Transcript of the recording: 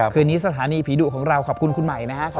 คืนนี้สถานีผีดุของเราขอบคุณคุณใหม่นะครับ